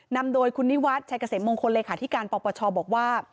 นำโดยคุณนิวัฒน์ชายเกษตรมงคลเลยค่ะที่การปรปชบอกว่า